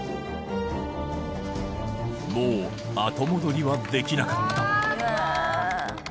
もう後戻りはできなかった